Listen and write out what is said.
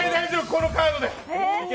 このカードです。